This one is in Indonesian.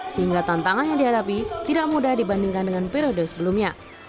sehingga tantangan yang dihadapi tidak mudah dibandingkan dengan periode sebelumnya